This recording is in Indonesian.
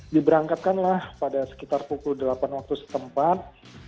diberangkatkanlah pada sekitar pukul delapan waktu setempat